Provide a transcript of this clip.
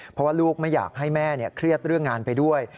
เพราะว่าลูกไม่อยากให้แม่เครียดเรื่องงานไปด้วย